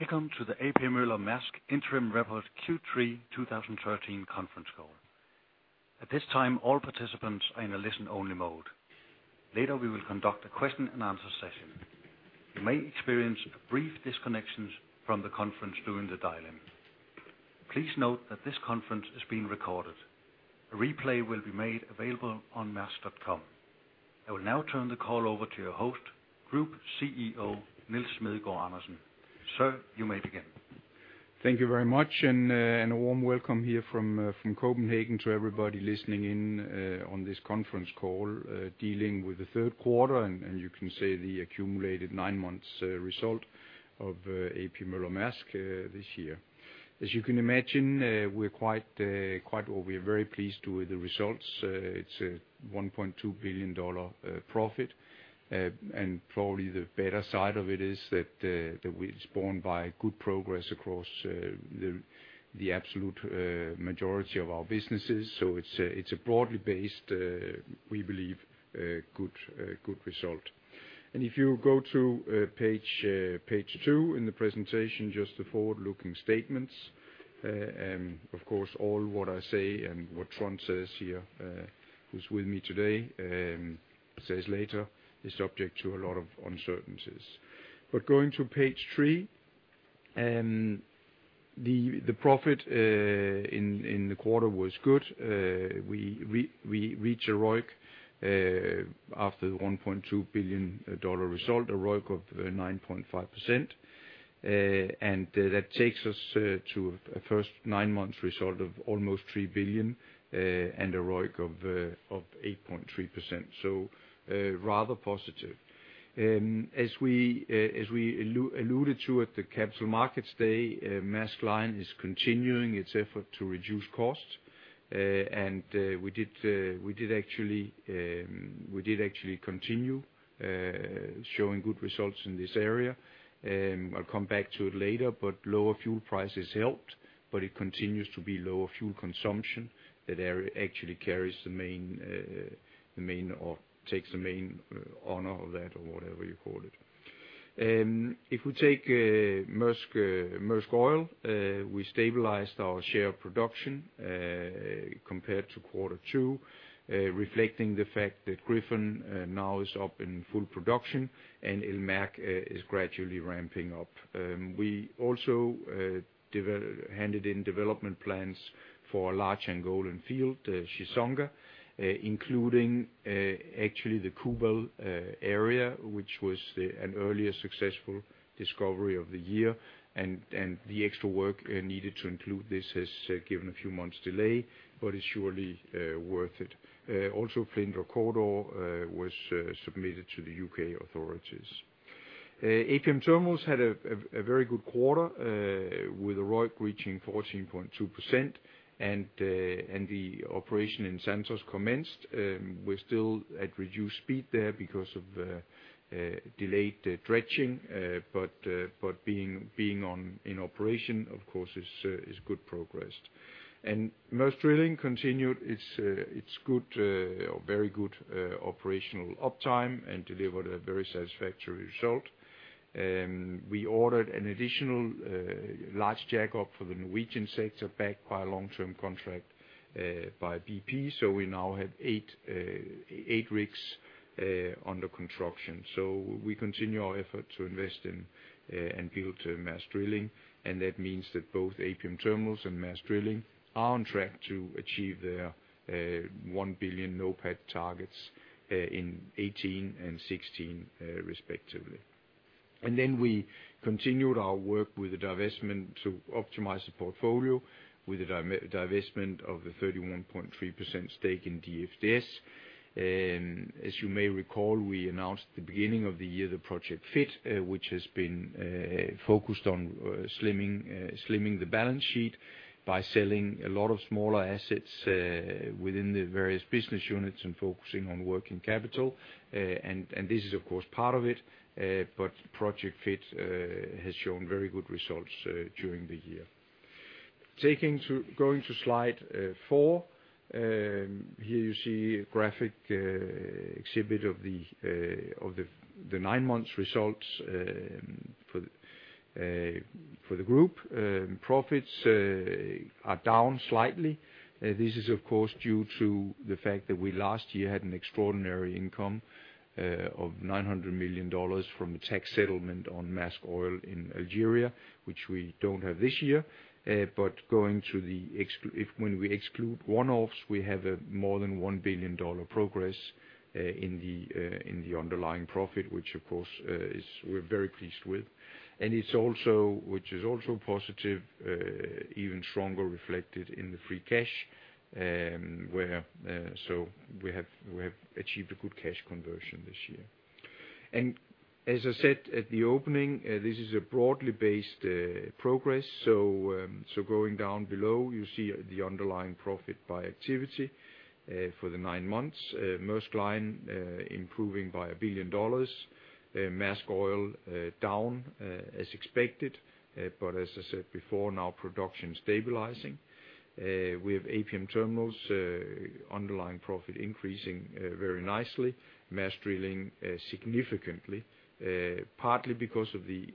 Welcome to the A.P. Møller - Mærsk Interim Report Q3 2013 conference call. At this time, all participants are in a listen only mode. Later, we will conduct a question and answer session. You may experience a brief disconnection from the conference during the dial-in. Please note that this conference is being recorded. A replay will be made available on maersk.com. I will now turn the call over to your host, Group CEO, Nils Smedegaard Andersen. Sir, you may begin. Thank you very much and a warm welcome here from Copenhagen to everybody listening in on this conference call dealing with the third quarter and you can say the accumulated nine months result of A.P. Møller - Mærsk this year. As you can imagine, we're very pleased with the results. It's a $1.2 billion profit. Probably the better side of it is that it's borne by good progress across the absolute majority of our businesses. It's a broadly based, we believe, good result. If you go to page two in the presentation, just the forward-looking statements, and of course, all what I say and what Trond says here, who's with me today, says later is subject to a lot of uncertainties. Going to page three, the profit in the quarter was good. We reach a ROIC after $1.2 billion result, a ROIC of 9.5%. That takes us to a first nine months result of almost $3 billion, and a ROIC of 8.3%. Rather positive. As we alluded to at the Capital Markets Day, Maersk Line is continuing its effort to reduce costs. We actually continued showing good results in this area. I'll come back to it later, but lower fuel prices helped, but it continues to be lower fuel consumption that actually carries the main or takes the main honor of that or whatever you call it. If we take Maersk Oil, we stabilized our share of production compared to quarter two, reflecting the fact that Gryphon now is up in full production and El Merk is gradually ramping up. We also handed in development plans for a large Angolan field, Chissonga, including actually the Cubal area, which was an earlier successful discovery of the year. The extra work needed to include this has given a few months delay, but is surely worth it. Also, Flyndre Corridor was submitted to the UK authorities. APM Terminals had a very good quarter with ROIC reaching 14.2%. The operation in Santos commenced. We're still at reduced speed there because of delayed dredging, but being in operation, of course, is good progress. Maersk Drilling continued its good or very good operational uptime and delivered a very satisfactory result. We ordered an additional large jackup for the Norwegian sector, backed by a long-term contract by BP. We now have eight rigs under construction. We continue our effort to invest in and build Maersk Drilling. That means that both APM Terminals and Maersk Drilling are on track to achieve their $1 billion NOPAT targets in 2018 and 2016, respectively. We continued our work with the divestment to optimize the portfolio with the divestment of the 31.3% stake in DFDS. As you may recall, we announced at the beginning of the year the Project Fit, which has been focused on slimming the balance sheet by selling a lot of smaller assets within the various business units and focusing on working capital. This is of course part of it, but Project Fit has shown very good results during the year. Going to slide four. Here you see a graphic exhibit of the nine months results for the group. Profits are down slightly. This is of course due to the fact that we last year had an extraordinary income of $900 million from a tax settlement on Maersk Oil in Algeria, which we don't have this year. If we exclude one-offs, we have more than $1 billion progress in the underlying profit, which of course is. We're very pleased with. It's also which is also positive, even stronger reflected in the free cash, where so we have achieved a good cash conversion this year. As I said at the opening, this is a broadly based progress. Going down below, you see the underlying profit by activity for the nine months. Maersk Line improving by $1 billion. Maersk Oil down as expected, but as I said before, now production stabilizing. We have APM Terminals underlying profit increasing very nicely. Maersk Drilling significantly, partly because of the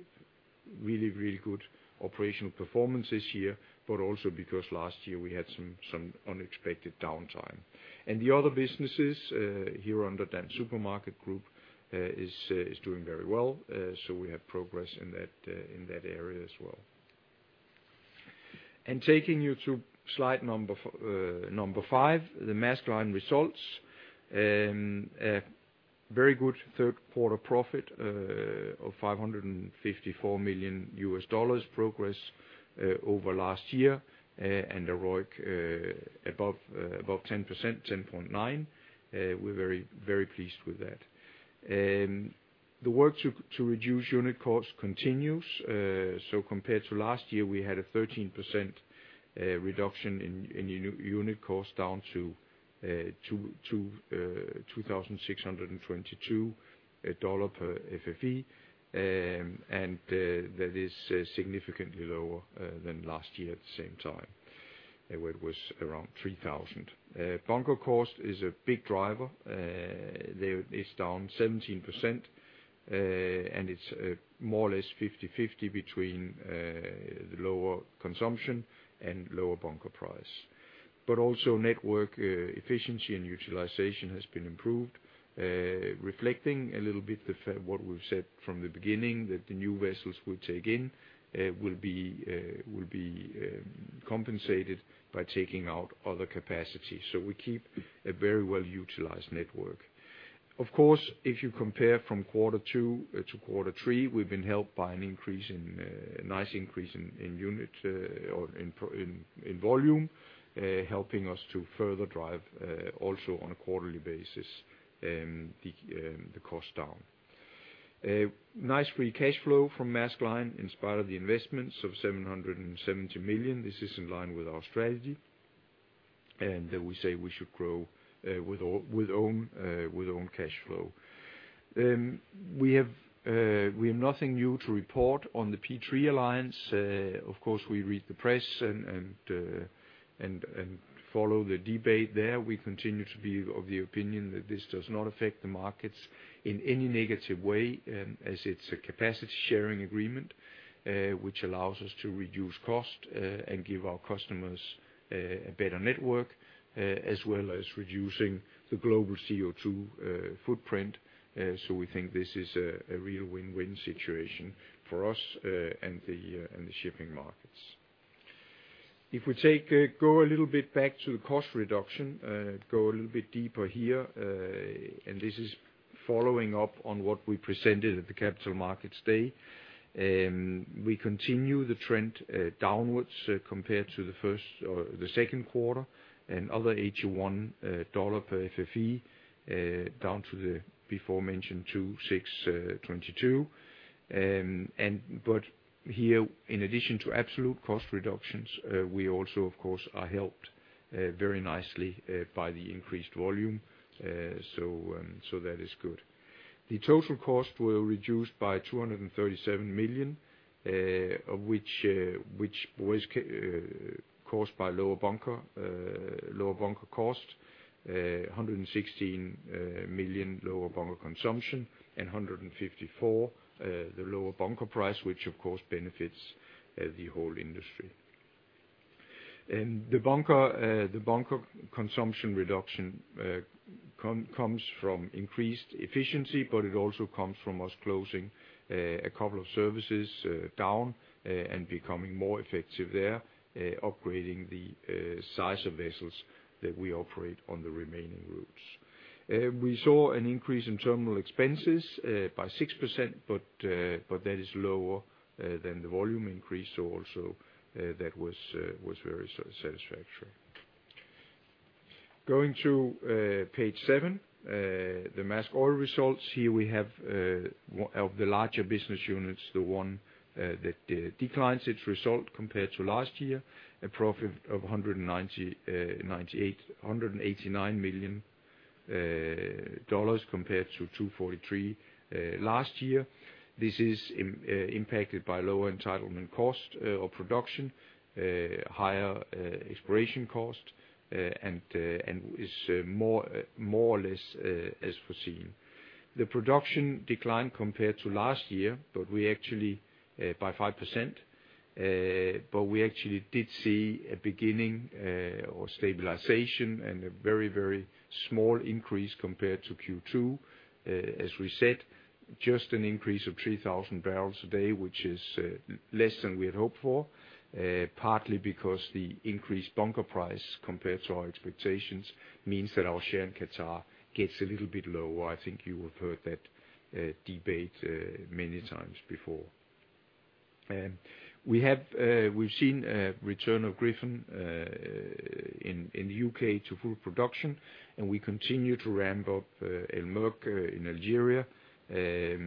really good operational performance this year, but also because last year we had some unexpected downtime. The other businesses here under Dansk Supermarked Group is doing very well. We have progress in that area as well. Taking you to slide number five, the Maersk Line results. A very good third quarter profit of $554 million progress over last year, and a ROIC above 10%-10.9%. We're very pleased with that. The work to reduce unit costs continues. Compared to last year, we had a 13% reduction in unit cost down to $2,622 per FFE. That is significantly lower than last year at the same time, where it was around 3,000. Bunker cost is a big driver. It is down 17%, and it's more or less 50-50 between the lower consumption and lower bunker price. Also network efficiency and utilization has been improved, reflecting a little bit the fact what we've said from the beginning, that the new vessels we take in will be compensated by taking out other capacity. We keep a very well-utilized network. Of course, if you compare from quarter two - quarter three, we've been helped by an increase in volume, helping us to further drive also on a quarterly basis the cost down. A nice free cash flow from Maersk Line in spite of the investments of $770 million. This is in line with our strategy. We say we should grow with own cash flow. We have nothing new to report on the P3 alliance. Of course, we read the press and follow the debate there. We continue to be of the opinion that this does not affect the markets in any negative way, as it's a capacity sharing agreement, which allows us to reduce cost, and give our customers a better network, as well as reducing the global CO2 footprint. We think this is a real win-win situation for us and the shipping markets. If we go a little bit back to the cost reduction, go a little bit deeper here, and this is following up on what we presented at the Capital Markets Day. We continue the trend downwards compared to the first or the second quarter and other $81 per FFE down to the before mentioned $26.22. Here, in addition to absolute cost reductions, we also of course are helped very nicely by the increased volume. That is good. The total cost were reduced by $237 million, of which was caused by lower bunker cost, $116 million lower bunker consumption, and $154 million the lower bunker price, which of course benefits the whole industry. The bunker consumption reduction comes from increased efficiency, but it also comes from us closing a couple of services down and becoming more effective there, upgrading the size of vessels that we operate on the remaining routes. We saw an increase in terminal expenses by 6%, but that is lower than the volume increase, so also that was very satisfactory. Going to page seven, the Maersk Oil results. Here we have one of the larger business units, the one that declines its result compared to last year, a profit of $189 million compared to $243 million last year. This is impacted by lower entitlement cost or production, higher exploration cost, and is more or less as foreseen. The production declined compared to last year by 5%, but we actually did see a beginning of stabilization and a very small increase compared to Q2. As we said, just an increase of 3,000 barrels a day, which is less than we had hoped for, partly because the increased bunker price compared to our expectations means that our share in Qatar gets a little bit lower. I think you have heard that debate many times before. We've seen a return of Gryphon in the U.K. to full production, and we continue to ramp up El Merk in Algeria. That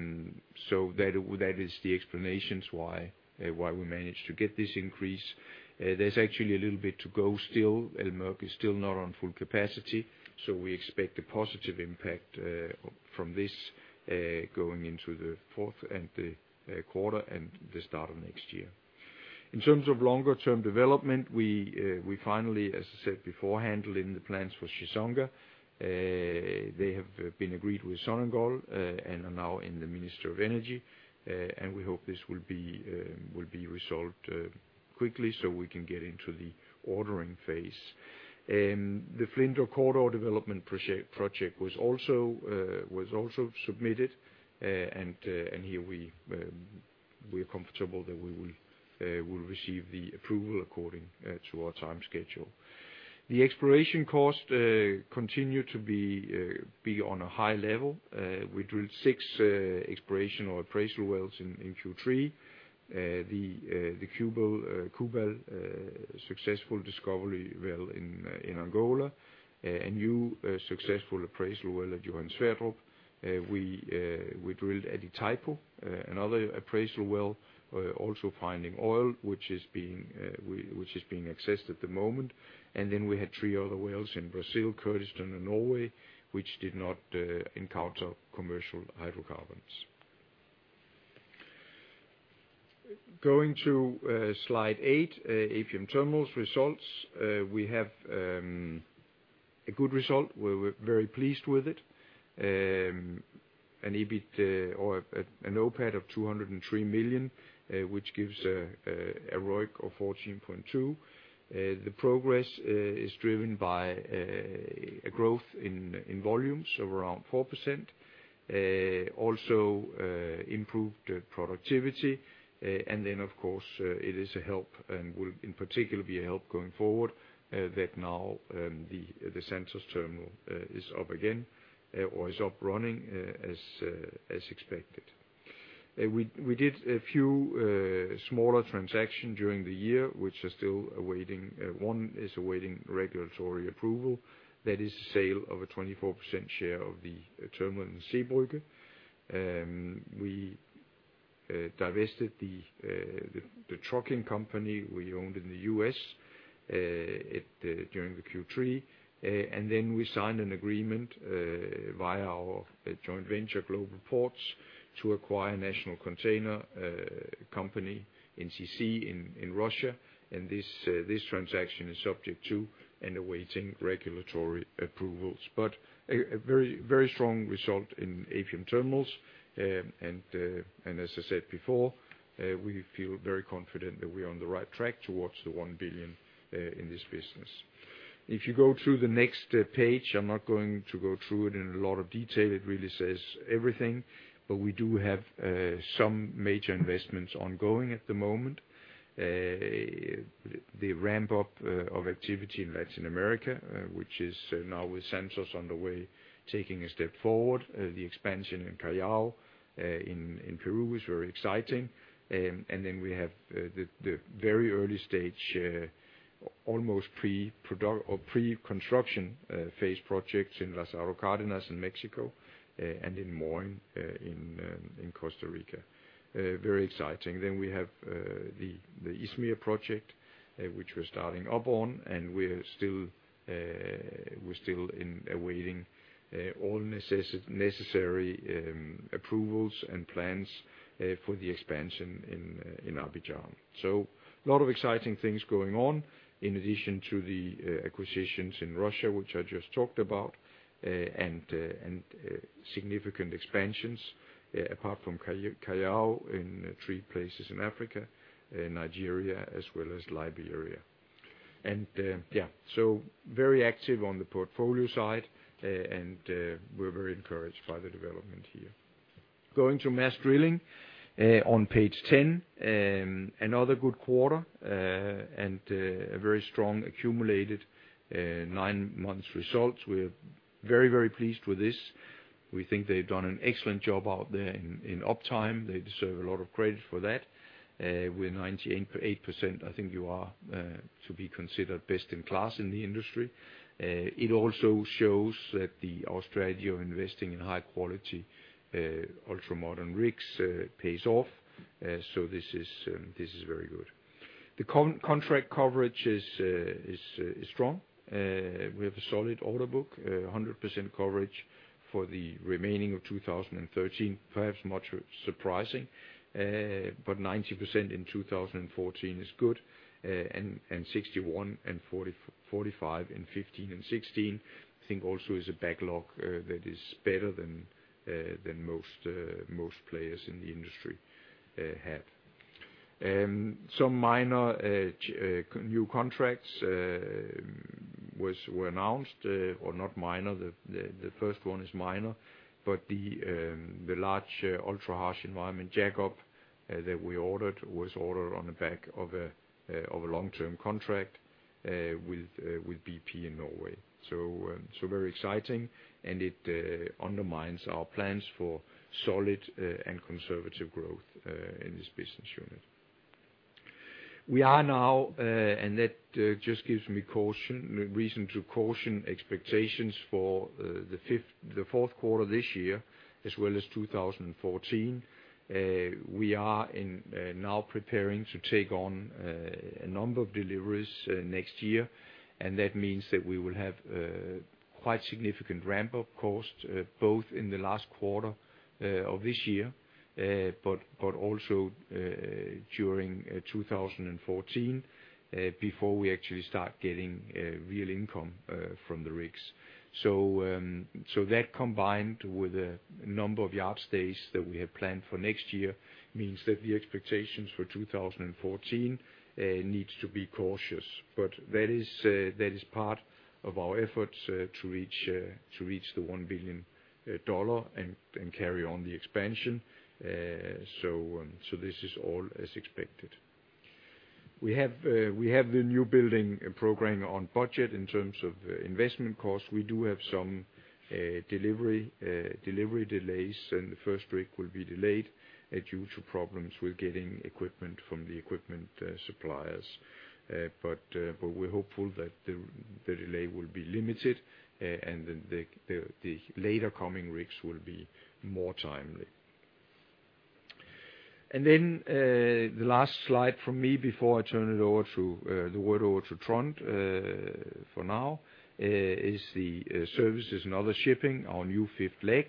is the explanations why we managed to get this increase. There's actually a little bit to go still. El Merk is still not on full capacity, so we expect a positive impact from this going into the fourth quarter and the start of next year. In terms of longer term development, we finally, as I said before, handling the plans for Chissonga. They have been agreed with Sonangol and are now in the Ministry of Energy. We hope this will be resolved quickly so we can get into the ordering phase. The Flyndre Corridor development project was also submitted. Here we are comfortable that we will receive the approval according to our time schedule. The exploration cost continue to be on a high level. We drilled six exploration or appraisal wells in Q3. The Cubal successful discovery well in Angola. A new successful appraisal well at Johan Sverdrup. We drilled at Etipo another appraisal well also finding oil, which is being assessed at the moment. We had three other wells in Brazil, Kurdistan, and Norway, which did not encounter commercial hydrocarbons. Going to slide eight, APM Terminals results. We have a good result. We're very pleased with it. An EBIT or an OPAT of $203 million, which gives a ROIC of 14.2%. The progress is driven by a growth in volumes of around 4%. Also, improved productivity. Of course, it is a help and will in particular be a help going forward that now the Santos terminal is up again or is up and running as expected. We did a few smaller transactions during the year, which are still awaiting; one is awaiting regulatory approval. That is the sale of a 24% share of the terminal in Zeebrugge. We divested the trucking company we owned in the U.S. during Q3. We signed an agreement via our joint venture, Global Ports, to acquire National Container Company, NCC, in Russia. This transaction is subject to and awaiting regulatory approvals. A very strong result in APM Terminals. As I said before, we feel very confident that we're on the right track towards the $1 billion in this business. If you go to the next page, I'm not going to go through it in a lot of detail. It really says everything. We do have some major investments ongoing at the moment. The ramp up of activity in Latin America, which is now with Santos on the way, taking a step forward. The expansion in Callao in Peru is very exciting. We have the very early stage almost pre-construction phase projects in Lázaro Cárdenas in Mexico and in Moín in Costa Rica. Very exciting. We have the Izmir project which we're starting up on, and we're still awaiting all necessary approvals and plans for the expansion in Abidjan. A lot of exciting things going on in addition to the acquisitions in Russia, which I just talked about, and significant expansions apart from Callao in three places in Africa, in Nigeria as well as Liberia. Very active on the portfolio side and we're very encouraged by the development here. Going to Maersk Drilling on page 10. Another good quarter, a very strong accumulated nine months results. We're very pleased with this. We think they've done an excellent job out there in uptime. They deserve a lot of credit for that. With 98%, I think you are to be considered best in class in the industry. It also shows that the Australia investing in high quality ultra-modern rigs pays off. This is very good. The contract coverage is strong. We have a solid order book, 100% coverage for the remaining of 2013, perhaps much surprising but 90% in 2014 is good. And 61% and 45% in 2015 and 2016, I think also is a backlog that is better than most players in the industry have. Some minor new contracts were announced. Or not minor. The first one is minor. The large ultra harsh environment jackup that we ordered was ordered on the back of a long-term contract with BP in Norway. Very exciting. It undermines our plans for solid and conservative growth in this business unit. We are now and that just gives me reason to caution expectations for the fourth quarter this year as well as 2014. We are now preparing to take on a number of deliveries next year. That means that we will have quite significant ramp-up costs both in the last quarter of this year, but also during 2014, before we actually start getting real income from the rigs. That combined with the number of yard stays that we have planned for next year means that the expectations for 2014 needs to be cautious. That is part of our efforts to reach the $1 billion and carry on the expansion. This is all as expected. We have the newbuilding program on budget in terms of investment costs. We do have some delivery delays, and the first rig will be delayed due to problems with getting equipment from the suppliers. We're hopeful that the delay will be limited, and the later coming rigs will be more timely. The last slide from me before I hand it over to Trond for now is the services and other shipping, our new fifth leg.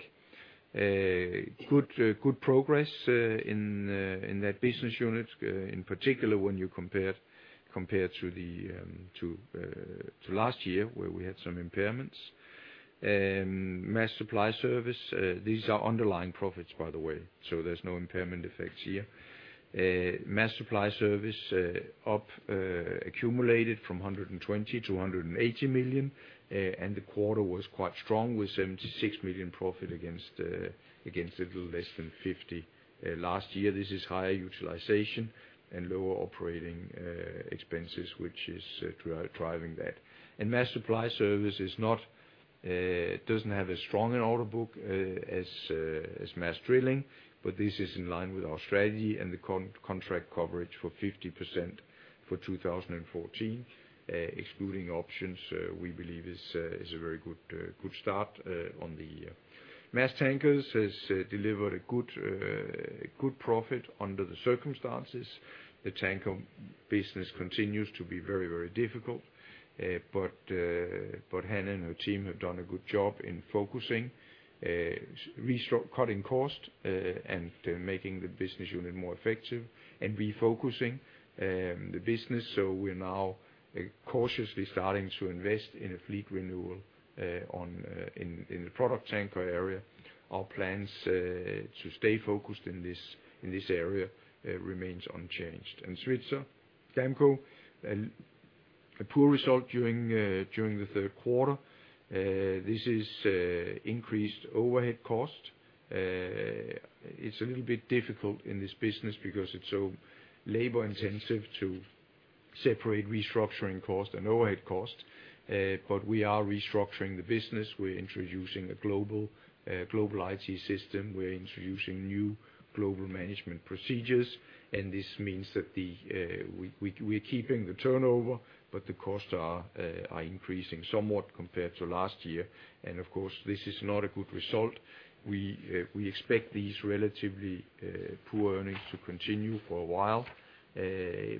Good progress in that business unit, in particular, when you compare to last year where we had some impairments. Maersk Supply Service, these are underlying profits, by the way, so there's no impairment effects here. Maersk Supply Service up accumulated from $120 million - $180 million. The quarter was quite strong with $76 million profit against a little less than $50 million last year. This is higher utilization and lower operating expenses, which is driving that. Maersk Supply Service does not have as strong an order book as Maersk Drilling, but this is in line with our strategy and the contract coverage for 50% for 2014, excluding options, we believe is a very good start on the year. Maersk Tankers has delivered a good profit under the circumstances. The tanker business continues to be very difficult. Hanne and her team have done a good job in focusing, cutting costs, and making the business unit more effective and refocusing the business. We're now cautiously starting to invest in a fleet renewal in the product tanker area. Our plans to stay focused in this area remains unchanged. Svitzer, Damco, a poor result during the third quarter. This is increased overhead cost. It's a little bit difficult in this business because it's so labor-intensive to separate restructuring costs and overhead costs. We are restructuring the business. We're introducing a global IT system. We're introducing new global management procedures. This means that we're keeping the turnover, but the costs are increasing somewhat compared to last year. Of course, this is not a good result. We expect these relatively poor earnings to continue for a while,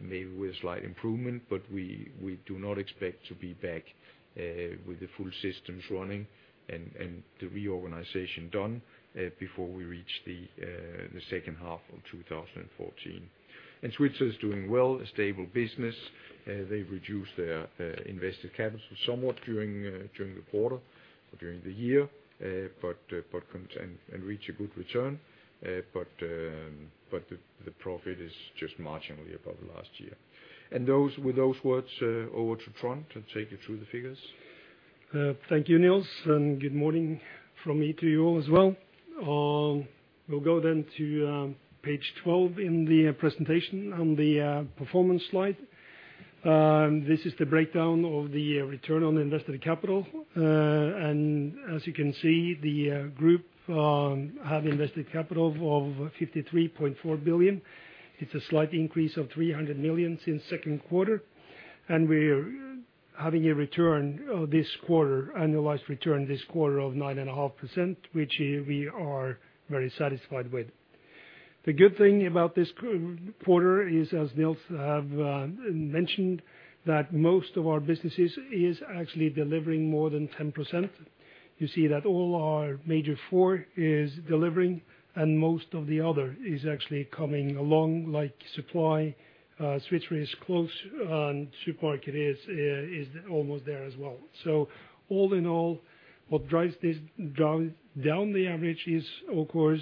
maybe with slight improvement. We do not expect to be back with the full systems running and the reorganization done before we reach the second half of 2014. Svitzer is doing well, a stable business. They reduced their invested capital somewhat during the quarter or during the year, but continued and reached a good return. The profit is just marginally above last year. With those words, over to Trond to take you through the figures. Thank you, Nils, and good morning from me to you all as well. We'll go then to page 12 in the presentation on the performance slide. This is the breakdown of the return on invested capital. As you can see, the group have invested capital of $53.4 billion. It's a slight increase of $300 million since second quarter. We're having a return this quarter, annualized return this quarter of 9.5%, which we are very satisfied with. The good thing about this quarter is, as Nils have mentioned, that most of our businesses is actually delivering more than 10%. You see that all our major four is delivering, and most of the other is actually coming along, like Supply. Svitzer is close, and Supermarket is almost there as well. All in all, what drives this down the average is, of course,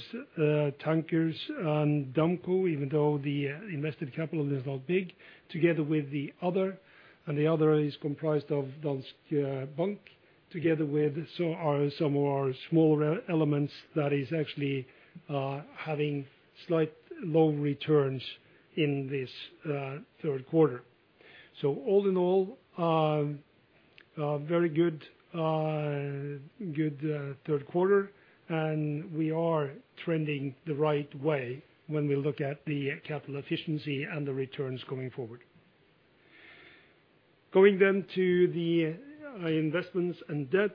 Tankers and Damco, even though the invested capital is not big, together with the other, and the other is comprised of Danske Bank together with some of our smaller elements that is actually having slightly low returns in this third quarter. All in all, very good third quarter, and we are trending the right way when we look at the capital efficiency and the returns going forward. Going to the investments and debts.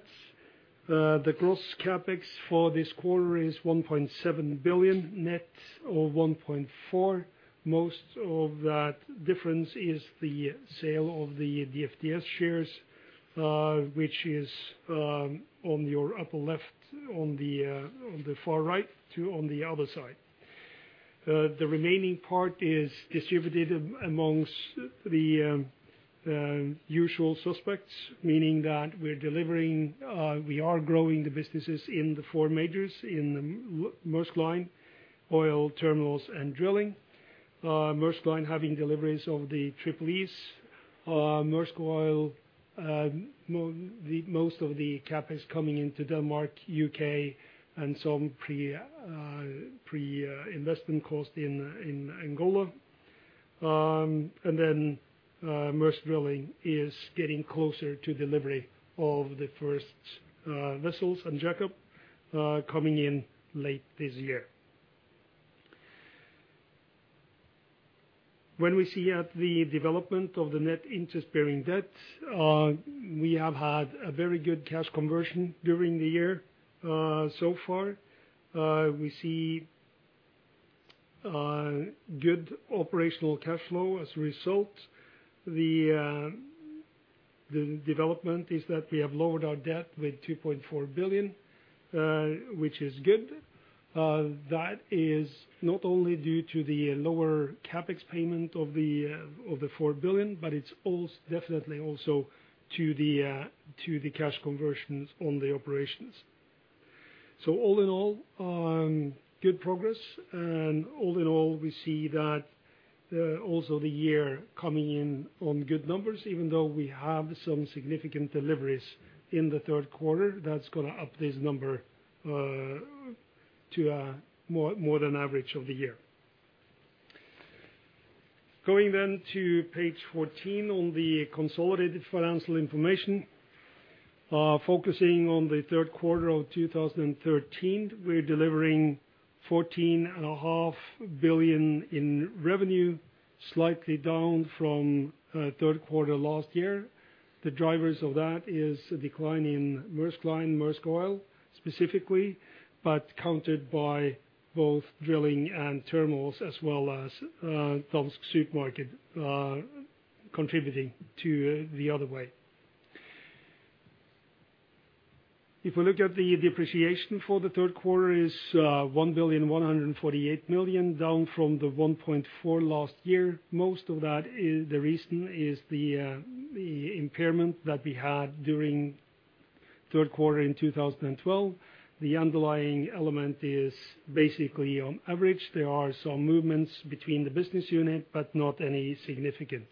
The gross CapEx for this quarter is $1.7 billion, net of $1.4 billion. Most of that difference is the sale of the DFDS shares, which is on your upper left on the on the far right too on the other side. The remaining part is distributed among the usual suspects, meaning that we are growing the businesses in the four majors, in Maersk Line, Oil, Terminals, and Drilling. Maersk Line having deliveries of the Triple E's. Maersk Oil, most of the CapEx coming into Denmark, U.K., and some pre-investment cost in Angola. Then Maersk Drilling is getting closer to delivery of the first jack-up vessels coming in late this year. When we look at the development of the net interest-bearing debt, we have had a very good cash conversion during the year. So far, we see good operational cash flow as a result. The development is that we have lowered our debt with $2.4 billion, which is good. That is not only due to the lower CapEx payment of the $4 billion, but it's also definitely also to the cash conversions on the operations. All in all, good progress. All in all, we see that also the year coming in on good numbers, even though we have some significant deliveries in the third quarter, that's gonna up this number to a more than average of the year. Going to page 14 on the consolidated financial information. Focusing on the third quarter of 2013, we're delivering $14.5 billion in revenue, slightly down from third quarter last year. The drivers of that is a decline in Maersk Line, Maersk Oil specifically, but countered by both Drilling and Terminals, as well as Tankers contributing to the other way. If we look at the depreciation for the third quarter is $1.148 billion, down from the $1.4 billion last year. Most of that is, the reason is the impairment that we had during third quarter in 2012. The underlying element is basically on average. There are some movements between the business unit, but not any significant.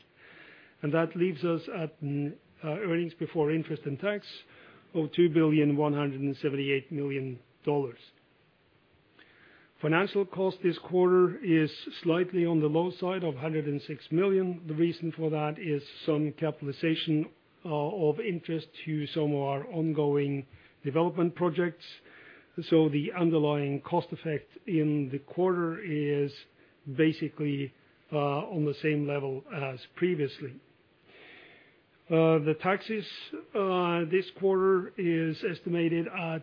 That leaves us at an earnings before interest and tax of $2.178 billion. Financial cost this quarter is slightly on the low side of $106 million. The reason for that is some capitalization of interest to some of our ongoing development projects. The underlying cost effect in the quarter is basically on the same level as previously. The taxes this quarter is estimated at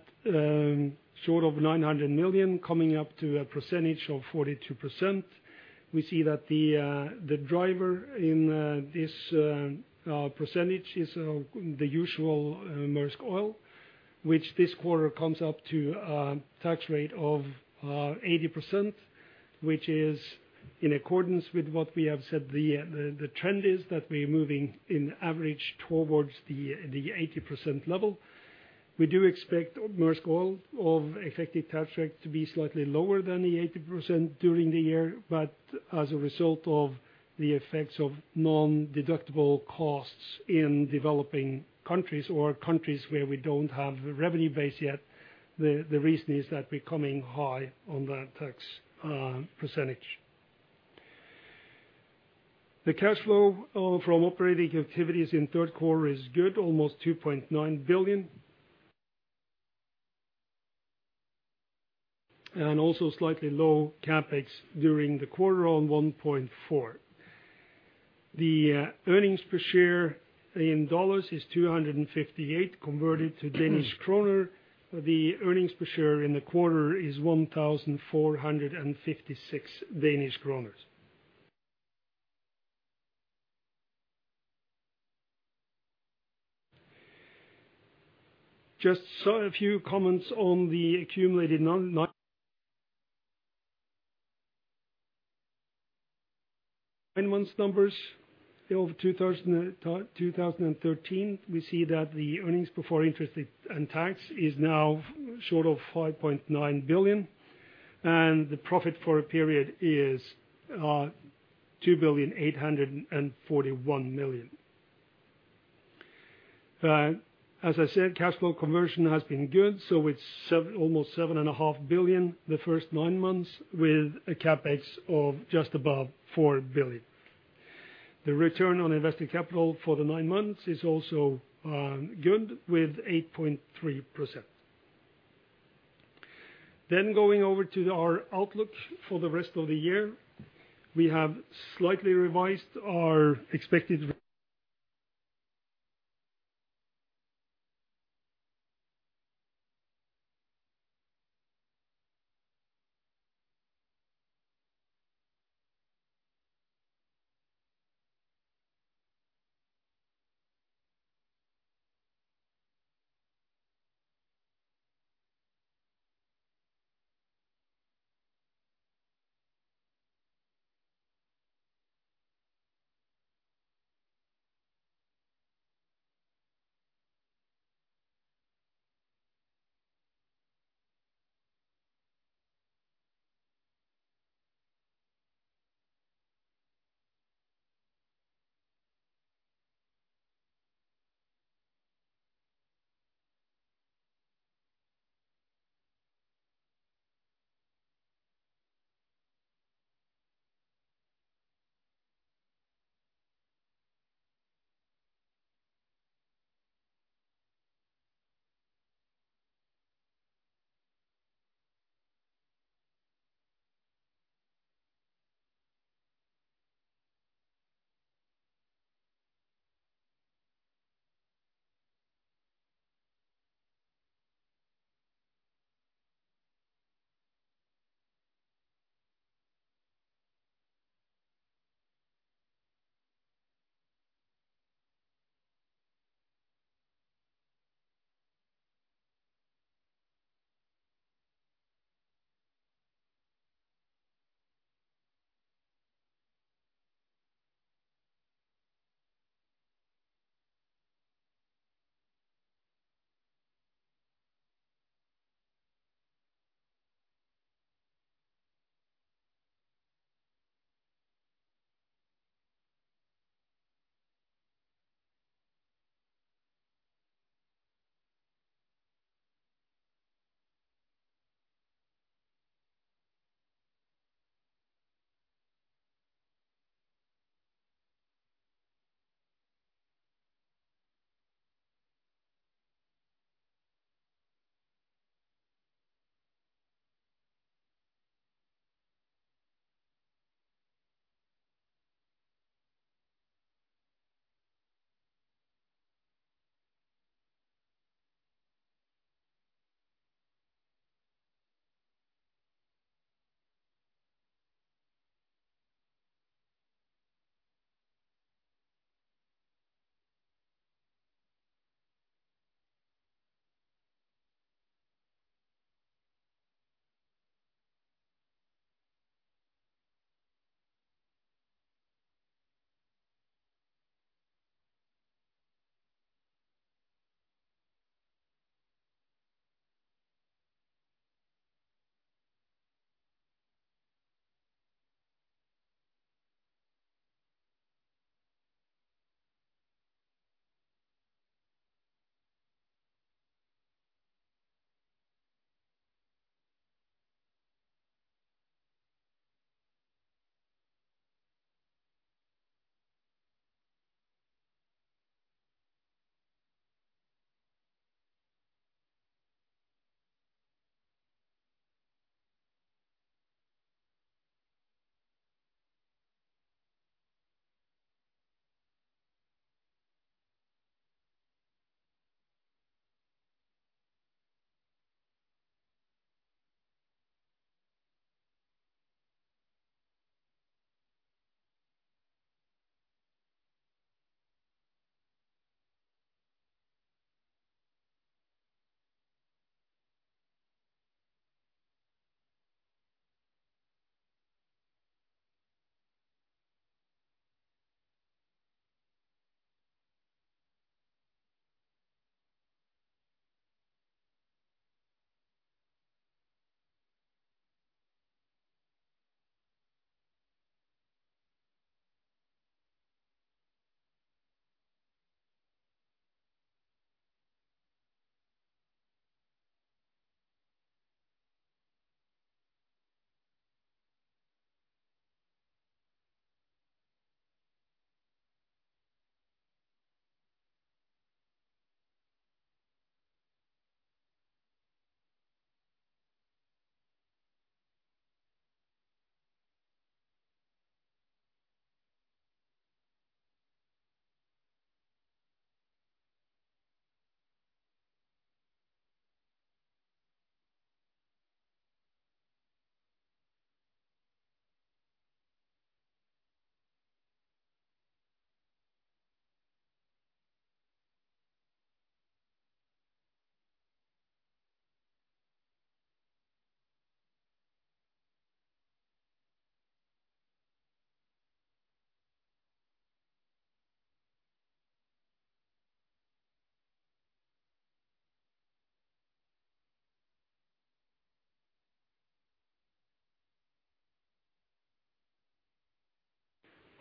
short of $900 million, coming up to a percentage of 42%. We see that the driver in this percentage is the usual Maersk Oil, which this quarter comes up to a tax rate of 80%, which is in accordance with what we have said the trend is that we're moving in average towards the 80% level. We do expect Maersk Oil's effective tax rate to be slightly lower than the 80% during the year, but as a result of the effects of nondeductible costs in developing countries or countries where we don't have a revenue base yet, the reason is that we're coming high on that tax percentage. The cash flow from operating activities in third quarter is good, almost $2.9 billion. Also slightly low CapEx during the quarter on $1.4 billion. The earnings per share in dollars is $258 converted to Danish kroner. The earnings per share in the quarter is 1,456 Danish kroner. Just so a few comments on the accumulated nine months numbers of 2013. We see that the earnings before interest and tax is now short of $5.9 billion, and the profit for a period is $2.841 billion. As I said, cash flow conversion has been good, so it's almost $7.5 billion the first nine months with a CapEx of just above $4 billion. The return on invested capital for the nine months is also good with 8.3%. Going over to our outlook for the rest of the year. We have slightly revised our expected.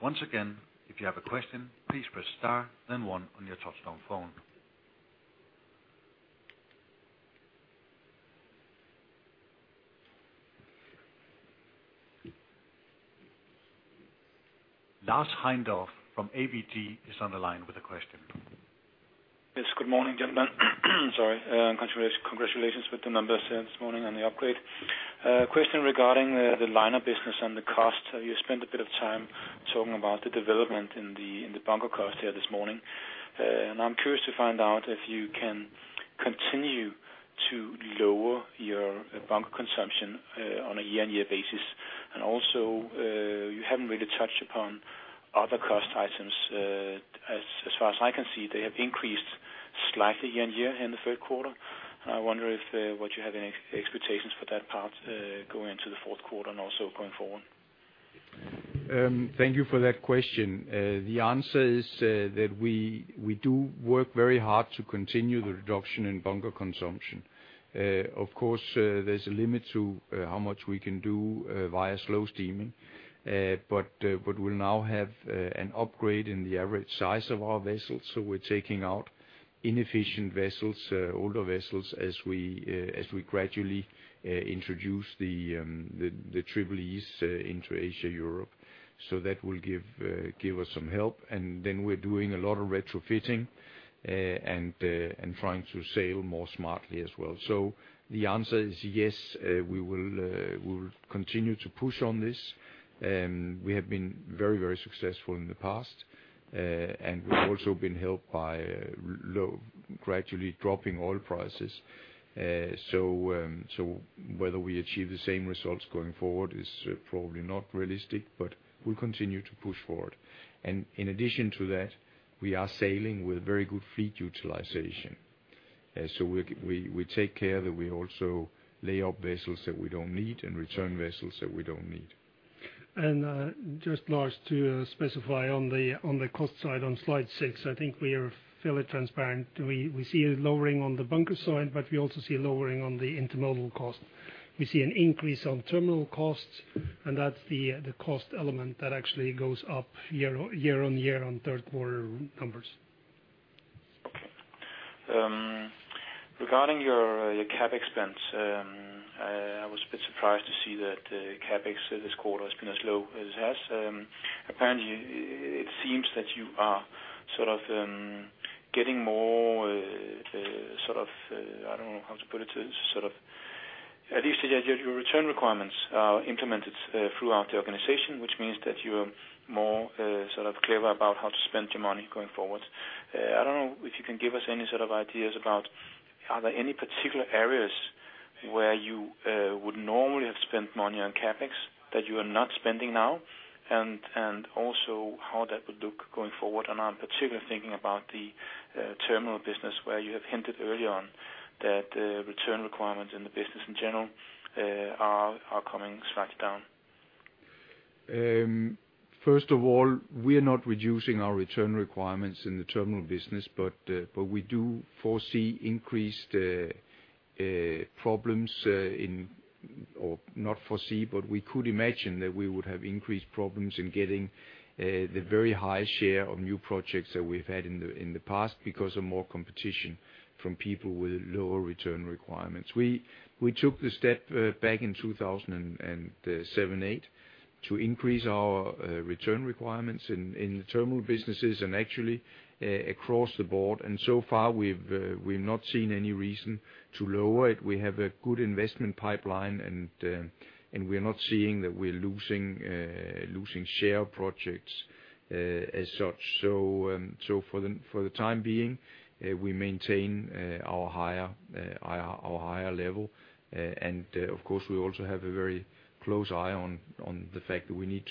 Once again, if you have a question, please press star then one on your touch-tone phone. Lars Heindorff from ABG is on the line with a question. Yes. Good morning, gentlemen. Sorry. Congratulations with the numbers here this morning and the upgrade. Question regarding the liner business and the cost. You spent a bit of time talking about the development in the bunker cost here this morning. I'm curious to find out if you can continue to lower your bunker consumption on a year-on-year basis. You haven't really touched upon other cost items, as far as I can see. They have increased slightly year-on-year in the third quarter. I wonder if you have any expectations for that part, going into the fourth quarter and also going forward. Thank you for that question. The answer is that we do work very hard to continue the reduction in bunker consumption. Of course, there's a limit to how much we can do via slow steaming. But we'll now have an upgrade in the average size of our vessels, so we're taking out inefficient vessels, older vessels as we gradually introduce the Triple-Es into Asia, Europe. That will give us some help. We're doing a lot of retrofitting and trying to sail more smartly as well. The answer is yes, we will continue to push on this. We have been very, very successful in the past. We've also been helped by low gradually dropping oil prices. Whether we achieve the same results going forward is probably not realistic, but we'll continue to push forward. In addition to that, we are sailing with very good fleet utilization. We take care that we also lay up vessels that we don't need and return vessels that we don't need. Just Lars, to specify on the cost side on slide six, I think we are fairly transparent. We see a lowering on the bunker side, but we also see a lowering on the intermodal cost. We see an increase on terminal costs, and that's the cost element that actually goes up year-on-year on third quarter numbers. Okay. Regarding your CapEx spends, I was a bit surprised to see that CapEx this quarter has been as low as it has. Apparently it seems that you are sort of getting more sort of I don't know how to put it, sort of at least your return requirements are implemented throughout the organization, which means that you are more sort of clever about how to spend your money going forward. I don't know if you can give us any sort of ideas about are there any particular areas where you would normally have spent money on CapEx that you are not spending now? Also how that would look going forward. I'm particularly thinking about the terminal business where you have hinted early on that return requirements in the business in general are coming slightly down. First of all, we are not reducing our return requirements in the terminal business, but we could imagine that we would have increased problems in getting the very high share of new projects that we've had in the past because of more competition from people with lower return requirements. We took the step back in 2007, 2008 to increase our return requirements in the terminal businesses and actually across the board. So far we've not seen any reason to lower it. We have a good investment pipeline and we're not seeing that we're losing share of projects as such. For the time being, we maintain our higher level. Of course, we also have a very close eye on the fact that we need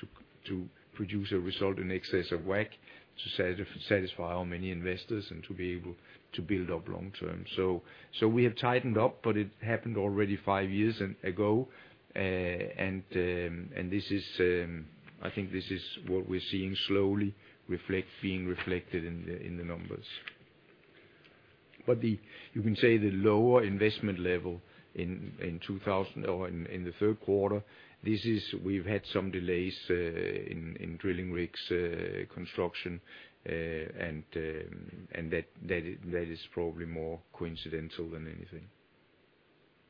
to produce a result in excess of WACC to satisfy our many investors and to be able to build up long term. We have tightened up, but it happened already five years ago. This is, I think this is what we're seeing slowly being reflected in the numbers. You can say the lower investment level in 2000 or in the third quarter, this is, we've had some delays in drilling rigs, construction, and that is probably more coincidental than anything.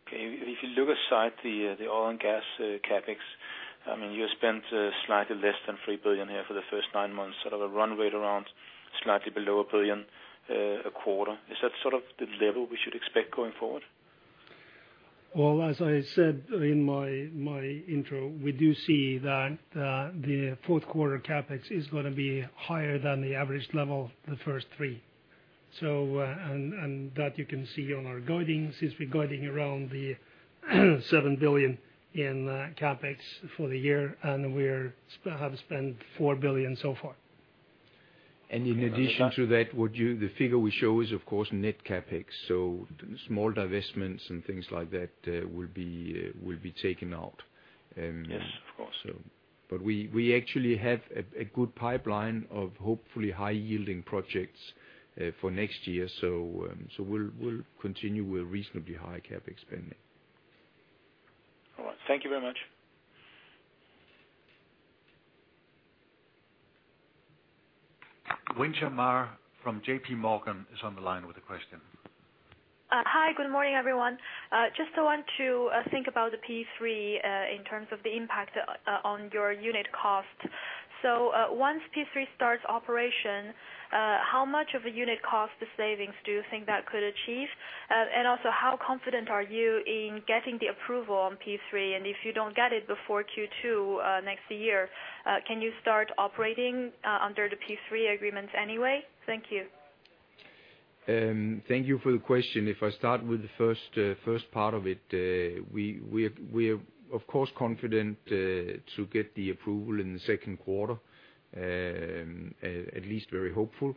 Okay. If you look aside the oil and gas CapEx, I mean, you spent slightly less than $3 billion here for the first nine months, sort of a run rate around slightly below $1 billion a quarter. Is that sort of the level we should expect going forward? Well, as I said in my intro, we do see that the fourth quarter CapEx is gonna be higher than the average level the first three. And that you can see on our guidance, is we're guiding around $7 billion in CapEx for the year, and we have spent $4 billion so far. In addition to that, the figure we show is of course net CapEx. Small divestments and things like that will be taken out. Yes, of course. We actually have a good pipeline of hopefully high yielding projects for next year. We'll continue with reasonably high CapEx spending. All right. Thank you very much. Wing-Chun Mar from J.P. Morgan is on the line with a question. Hi, good morning, everyone. Just want to think about the P3 in terms of the impact on your unit cost. Once P3 starts operation, how much of a unit cost savings do you think that could achieve? And also, how confident are you in getting the approval on P3? If you don't get it before Q2 next year, can you start operating under the P3 agreements anyway? Thank you. Thank you for the question. If I start with the first part of it. We are of course confident to get the approval in the second quarter. At least very hopeful.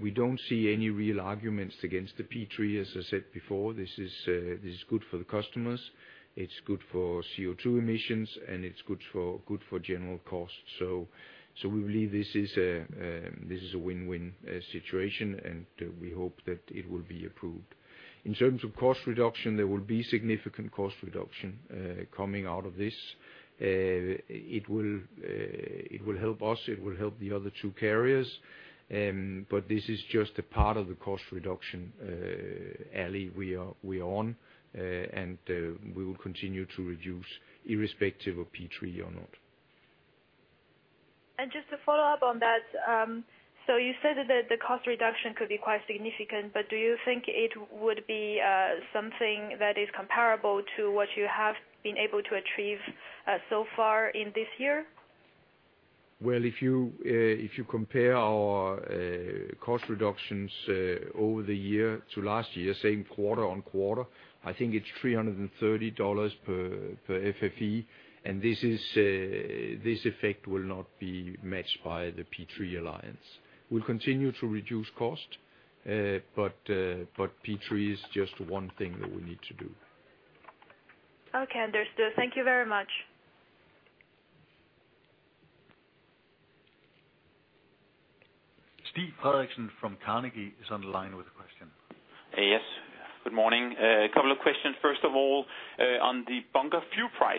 We don't see any real arguments against the P3. As I said before, this is good for the customers, it's good for CO2 emissions, and it's good for general costs. We believe this is a win-win situation, and we hope that it will be approved. In terms of cost reduction, there will be significant cost reduction coming out of this. It will help us, it will help the other two carriers. This is just a part of the cost reduction path we are on, and we will continue to reduce irrespective of P3 or not. Just to follow up on that, so you said that the cost reduction could be quite significant, but do you think it would be something that is comparable to what you have been able to achieve so far in this year? Well, if you compare our cost reductions over the year to last year, same quarter on quarter, I think it's $330 per FFE. This effect will not be matched by the P3 alliance. We'll continue to reduce cost, but P3 is just one thing that we need to do. Okay, understood. Thank you very much. Stig Frederiksen from Carnegie is on the line with a question. Yes. Good morning. A couple of questions. First of all, on the bunker fuel price.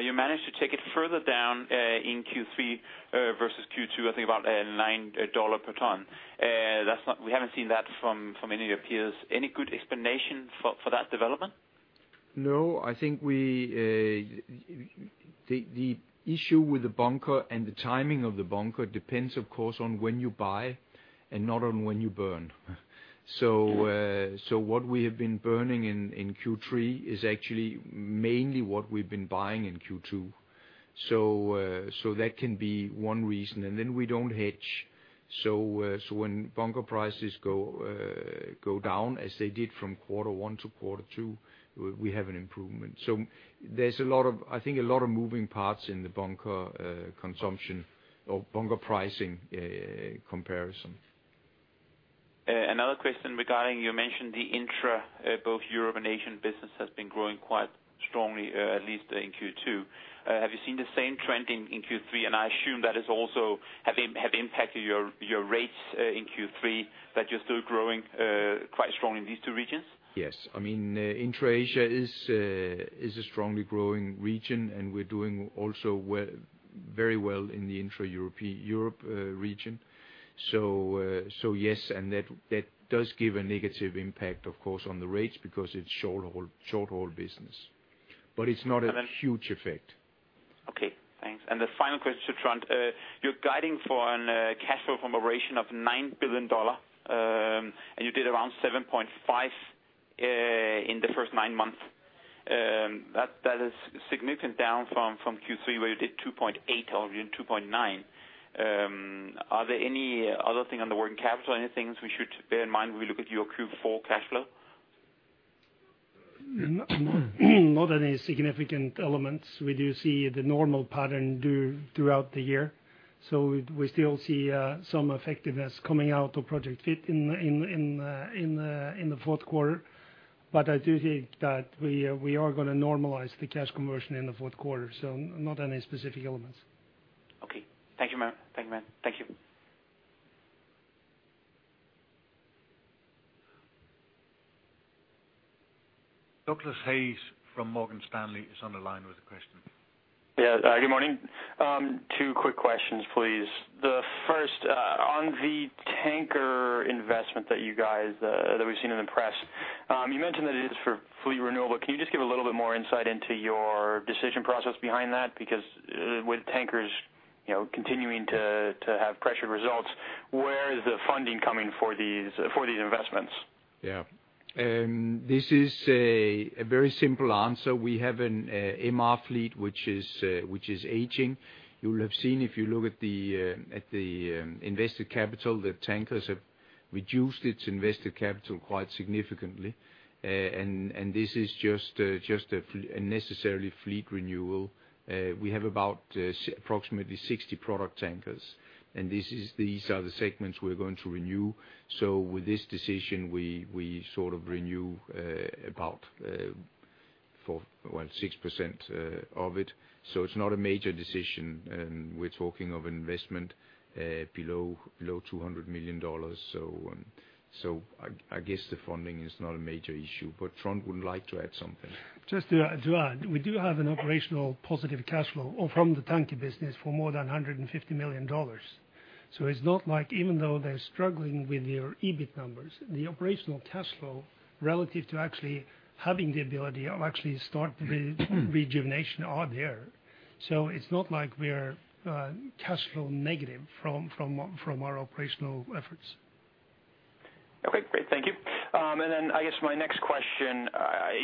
You managed to take it further down in Q3 versus Q2, I think about $9 per ton. We haven't seen that from any of your peers. Any good explanation for that development? No. I think the issue with the bunker and the timing of the bunker depends, of course, on when you buy and not on when you burn. So Yeah. What we have been burning in Q3 is actually mainly what we've been buying in Q2. That can be one reason. We don't hedge. When bunker prices go down as they did from quarter one to quarter two, we have an improvement. There's a lot of, I think, a lot of moving parts in the bunker consumption or bunker pricing comparison. Another question regarding, you mentioned the intra both Europe and Asia business has been growing quite strongly, at least in Q2. Have you seen the same trend in Q3? I assume that has also impacted your rates in Q3, that you're still growing quite strong in these two regions. Yes. I mean, intra Asia is a strongly growing region, and we're doing also well, very well in the intra Europe region. Yes, and that does give a negative impact, of course, on the rates because it's short haul business. It's not a huge effect. Okay, thanks. The final question, Trond. You're guiding for a cash flow from operations of $9 billion, and you did around $7.5 billion in the first nine months. That is significantly down from Q3, where you did $2.8 billion or $2.9 billion. Are there any other things on the working capital, any things we should bear in mind when we look at your Q4 cash flow? Not any significant elements. We do see the normal pattern throughout the year. We still see some effectiveness coming out of Project Fit in the fourth quarter. I do think that we are gonna normalize the cash conversion in the fourth quarter, so not any specific elements. Okay. Thank you, man. Thank you, man. Thank you. Douglas Hayes from Morgan Stanley is on the line with a question. Yeah. Good morning. Two quick questions, please. The first, on the tanker investment that you guys, that we've seen in the press. You mentioned that it is for fleet renewal. Can you just give a little bit more insight into your decision process behind that? Because, with tankers, you know, continuing to have pressured results, where is the funding coming for these investments? Yeah. This is a very simple answer. We have an MR fleet, which is aging. You'll have seen if you look at the invested capital, that tankers have reduced its invested capital quite significantly. This is just a necessary fleet renewal. We have about approximately 60 product tankers, and these are the segments we're going to renew. With this decision, we sort of renew about 6% of it. It's not a major decision. We're talking of investment below $200 million. I guess the funding is not a major issue, but Trond would like to add something. Just to add. We do have an operational positive cash flow from the tanker business for more than $150 million. It's not like even though they're struggling with their EBIT numbers, the operational cash flow relative to actually having the ability of actually start the rejuvenation are there. It's not like we're cash flow negative from our operational efforts. Okay, great.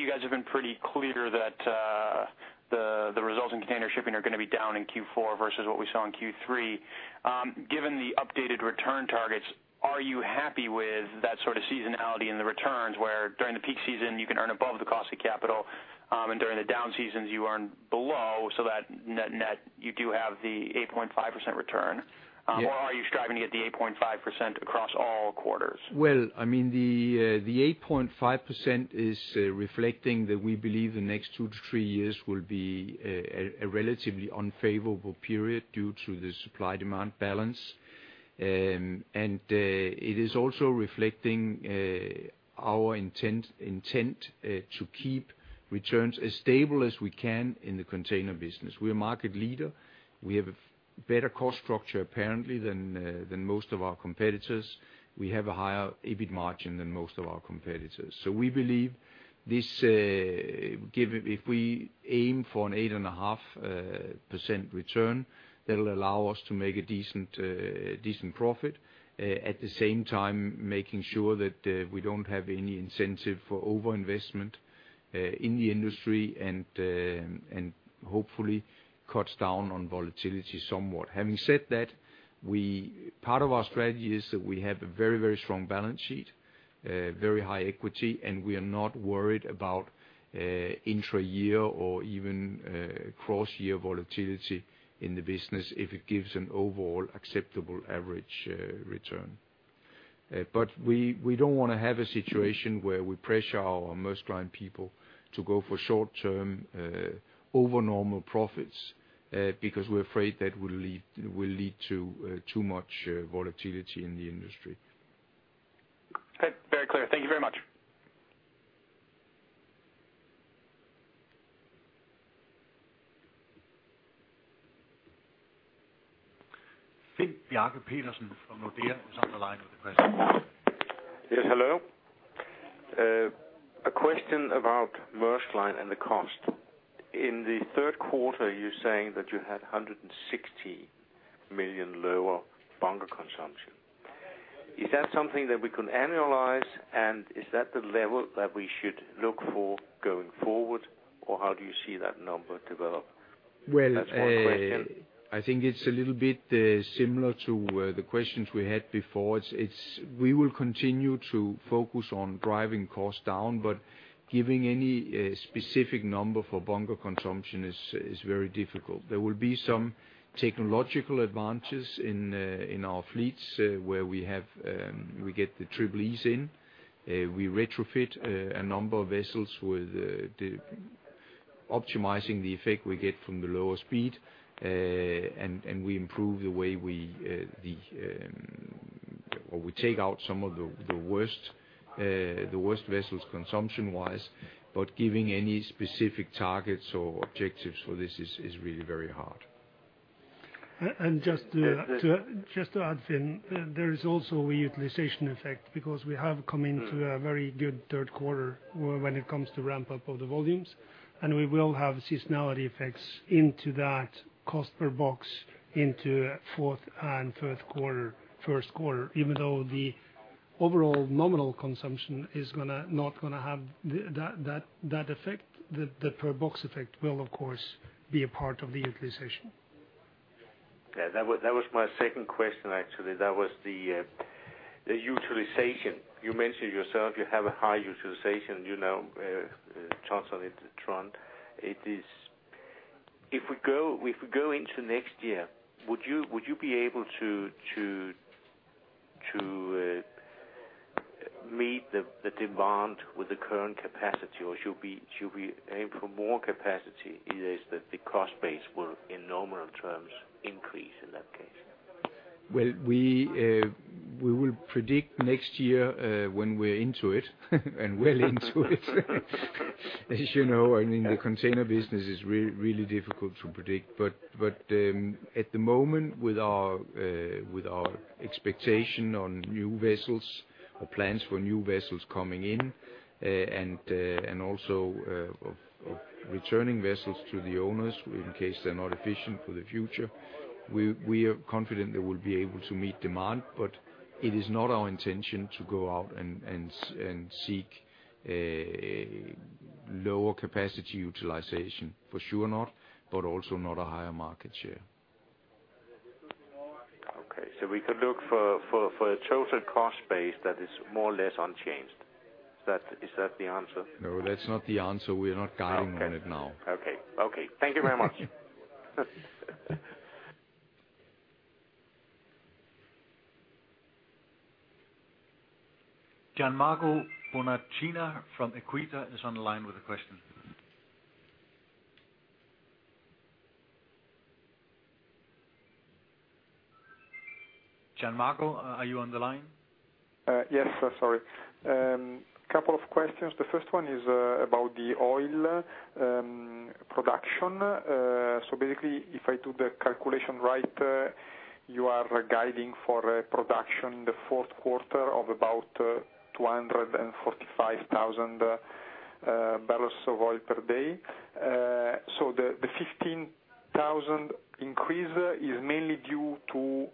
You guys have been pretty clear that the results in container shipping are gonna be down in Q4 versus what we saw in Q3. Given the updated return targets, are you happy with that sort of seasonality in the returns, where during the peak season you can earn above the cost of capital, and during the down seasons you earn below so that net you do have the 8.5% return? Yeah. Are you striving to get the 8.5% across all quarters? Well, I mean, the 8.5% is reflecting that we believe the next two-three years will be a relatively unfavorable period due to the supply/demand balance. It is also reflecting our intent to keep returns as stable as we can in the container business. We're a market leader. We have a better cost structure, apparently, than most of our competitors. We have a higher EBIT margin than most of our competitors. We believe this, given if we aim for an 8.5% return, that'll allow us to make a decent profit. At the same time, making sure that we don't have any incentive for overinvestment in the industry and hopefully cuts down on volatility somewhat. Having said that, we Part of our strategy is that we have a very, very strong balance sheet, very high equity, and we are not worried about intra-year or even cross-year volatility in the business if it gives an overall acceptable average return. We don't wanna have a situation where we pressure our most client people to go for short-term above-normal profits because we're afraid that will lead to too much volatility in the industry. Okay. Very clear. Thank you very much. Finn Bjarke Petersen from Nordea is on the line with a question. Yes, hello. A question about Maersk Line and the cost. In the third quarter, you're saying that you had $160 million lower bunker consumption. Is that something that we can annualize? Is that the level that we should look for going forward? Or how do you see that number develop? Well That's one question. I think it's a little bit similar to the questions we had before. It's we will continue to focus on driving costs down, but giving any specific number for bunker consumption is very difficult. There will be some technological advantages in our fleets where we get the Triple-Es in. We retrofit a number of vessels with optimizing the effect we get from the lower speed. We improve the way we or we take out some of the worst vessels consumption-wise. Giving any specific targets or objectives for this is really very hard. Just to add in, there is also a utilization effect because we have come into a very good third quarter when it comes to ramp up of the volumes, and we will have seasonality effects into that cost per box into fourth and third quarter, first quarter. Even though the overall nominal consumption is not gonna have that effect, the per box effect will, of course, be a part of the utilization. Okay. That was my second question, actually. That was the utilization. You mentioned yourself, you have a high utilization, you know, chance of it to trend. If we go into next year, would you be able to meet the demand with the current capacity? Or should we aim for more capacity, is that the cost base will, in nominal terms, increase in that case? Well, we will predict next year, when we're into it and well into it. As you know, in the container business, it's really difficult to predict. At the moment, with our expectation on new vessels or plans for new vessels coming in, and also of returning vessels to the owners in case they're not efficient for the future, we are confident that we'll be able to meet demand. It is not our intention to go out and seek lower capacity utilization, for sure not, but also not a higher market share. Okay. We could look for a total cost base that is more or less unchanged. Is that the answer? No, that's not the answer. We're not guiding on it now. Okay. Thank you very much. Gianmarco Bonacina from Equita is on the line with a question. Gianmarco, are you on the line? Yes, sorry. Couple of questions. The first one is about the oil production. Basically, if I do the calculation right, you are guiding for a production in the fourth quarter of about 245,000 barrels of oil per day. The 15,000 increase is mainly due to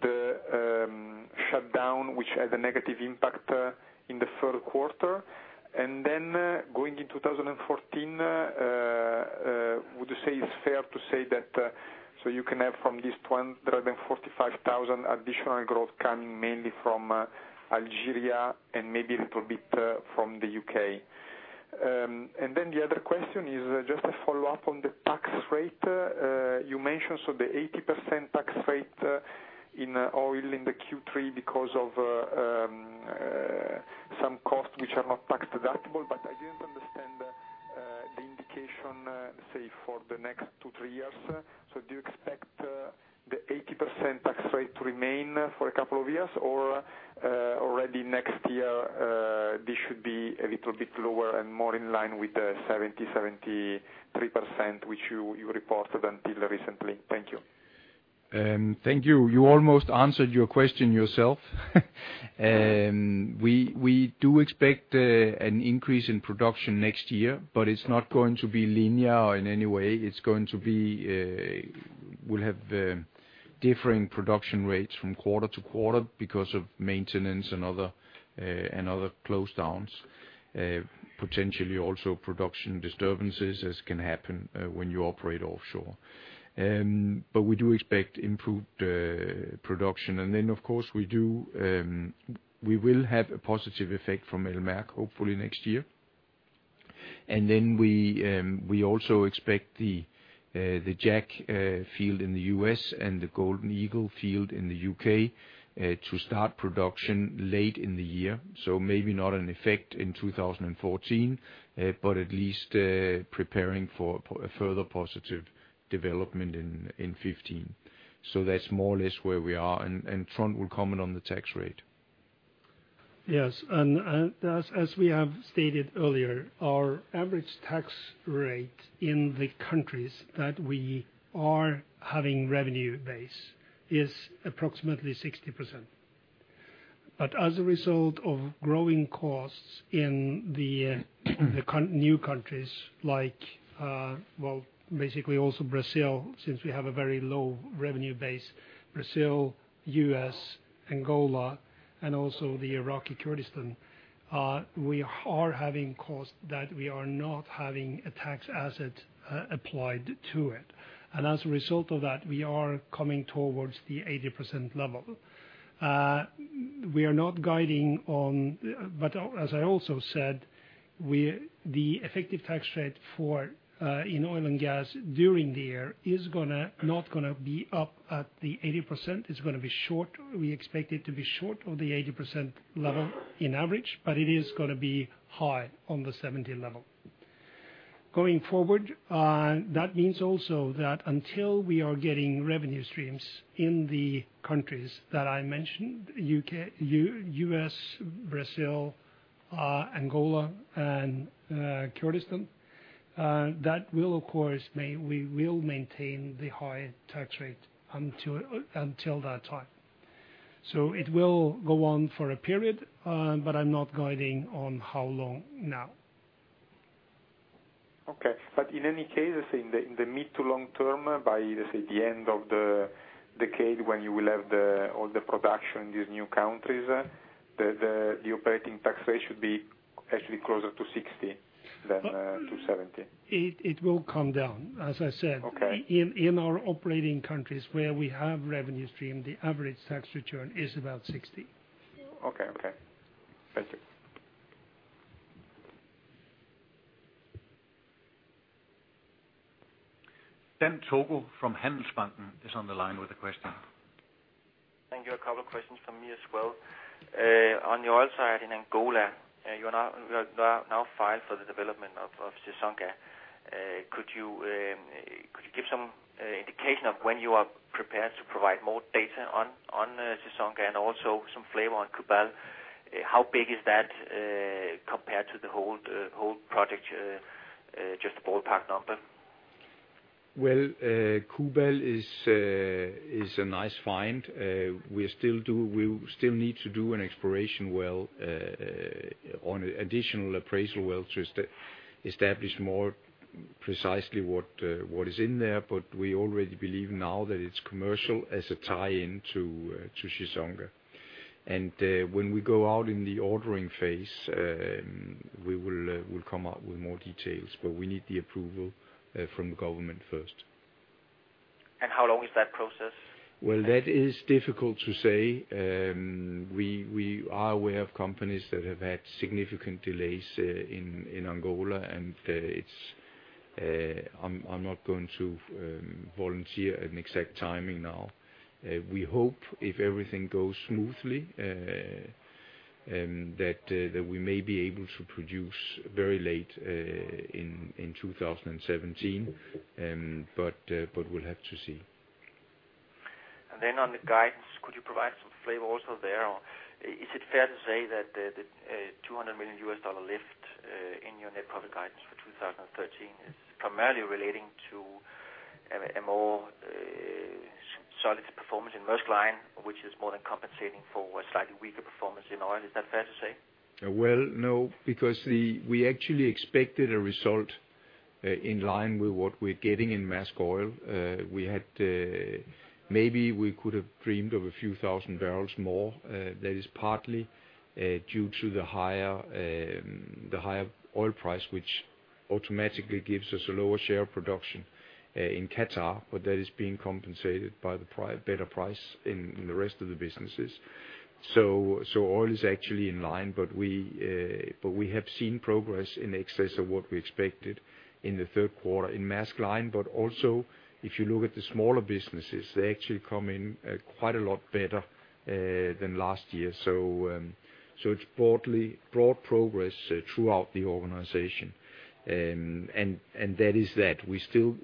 the shutdown which had a negative impact in the third quarter. Going in 2014, would you say it's fair to say that you can have from this 24,000 additional growth coming mainly from Algeria and maybe a little bit from the U.K. The other question is just a follow-up on the tax rate. You mentioned the 80% tax rate in Maersk Oil in the Q3 because of some costs which are not tax-deductible, but I didn't understand the indication for the next two, three years. Do you expect the 80% tax rate to remain for a couple of years? Already next year, this should be a little bit lower and more in line with the 73% which you reported until recently. Thank you. Thank you. You almost answered your question yourself. We do expect an increase in production next year, but it's not going to be linear in any way. It's going to be. We'll have differing production rates from quarter to quarter because of maintenance and other close downs. Potentially also production disturbances as can happen when you operate offshore. But we do expect improved production. Then of course, we will have a positive effect from El Merk, hopefully next year. Then we also expect the Jack field in the U.S. and the Golden Eagle field in the U.K. to start production late in the year. Maybe not an effect in 2014, but at least preparing for a further positive development in 2015. That's more or less where we are, and Trond will comment on the tax rate. Yes. As we have stated earlier, our average tax rate in the countries that we are having revenue base is approximately 60%. As a result of growing costs in the new countries like, well, basically also Brazil, U.S., Angola, and also the Iraqi Kurdistan, we are having costs that we are not having a tax asset applied to it. As a result of that, we are coming towards the 80% level. We are not guiding on. As I also said, the effective tax rate for in oil and gas during the year is gonna not be up at the 80%. It's gonna be short. We expect it to be short of the 80% level in average, but it is gonna be high on the 70% level. Going forward, that means also that until we are getting revenue streams in the countries that I mentioned, U.K., U.S., Brazil, Angola, and Kurdistan, that will, of course, we will maintain the high tax rate until that time. It will go on for a period, but I'm not guiding on how long now. Okay. In any case, say, in the mid to long term, by, let's say, the end of the decade when you will have all the production in these new countries, the operating tax rate should be actually closer to 60% than to 70%. It will come down, as I said. Okay. In our operating countries where we have revenue stream, the average tax rate is about 60%. Okay. Thank you. Dan Togo Jensen from Handelsbanken is on the line with a question. Thank you. A couple of questions from me as well. On your oil side in Angola, you are now filed for the development of Chissonga. Could you give some indication of when you are prepared to provide more data on Chissonga and also some flavor on Cubal? How big is that compared to the whole project, just a ballpark number? Well, Cubal is a nice find. We still need to do an exploration well, one additional appraisal well to establish more precisely what is in there, but we already believe now that it's commercial as a tie in to Chissonga. When we go out in the ordering phase, we'll come up with more details, but we need the approval from the government first. How long is that process? Well, that is difficult to say. We are aware of companies that have had significant delays in Angola. I'm not going to volunteer an exact timing now. We hope if everything goes smoothly, that we may be able to produce very late in 2017. We'll have to see. On the guidance, could you provide some flavor also there? Or is it fair to say that the $200 million lift in your net profit guidance for 2013 is primarily relating to a more solid performance in Maersk Line, which is more than compensating for a slightly weaker performance in oil? Is that fair to say? Well, no, because we actually expected a result in line with what we're getting in Maersk Oil. We had maybe we could have dreamed of a few thousand barrels more. That is partly due to the higher oil price, which automatically gives us a lower share of production in Qatar. But that is being compensated by the better price in the rest of the businesses. Oil is actually in line, but we have seen progress in excess of what we expected in the third quarter in Maersk Line. Also, if you look at the smaller businesses, they actually come in quite a lot better than last year. It's broad progress throughout the organization, and that is that. We still